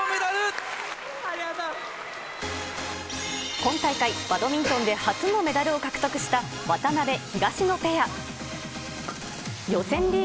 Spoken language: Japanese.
今大会、バドミントンで初のメダルを獲得した渡辺・東野ペア。